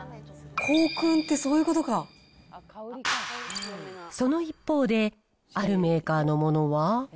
あっ、その一方で、あるメーカーのものは。